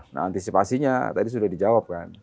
nah antisipasinya tadi sudah dijawab kan